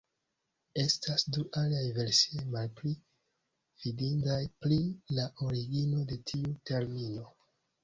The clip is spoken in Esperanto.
Estas du aliaj versioj, malpli fidindaj, pri la origino de tiu termino.